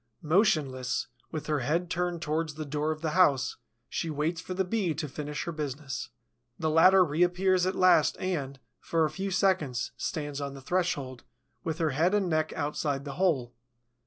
Motionless, with her head turned towards the door of the house, she waits for the Bee to finish her business. The latter reappears at last and, for a few seconds, stands on the threshold, with her head and neck outside the hole.